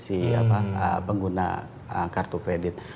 si pengguna kartu kredit